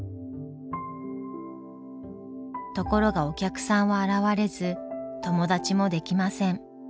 ところがお客さんは現れず友達もできません。